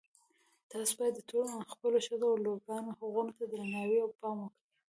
تاسو باید د خپلو ښځو او لورګانو حقونو ته درناوی او پام وکړئ